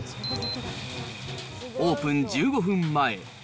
オープン１５分前。